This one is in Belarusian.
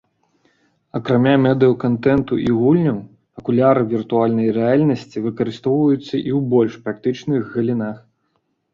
Акрамя медыя-кантэнту і гульняў, акуляры віртуальнай рэальнасці выкарыстоўваюцца і ў больш практычных галінах.